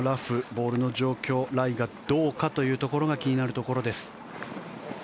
ボールの状況、ライがどうかというところが気になるところです。